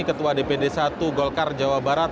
ketua dpd satu golkar jawa barat